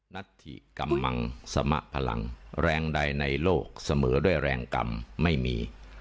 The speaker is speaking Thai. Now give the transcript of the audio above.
นัทธิกำมังสมพลังแรงใดในโลกเสมอด้วยแรงกรรมไม่มี